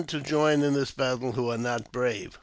107 to join in this battle who are not brave.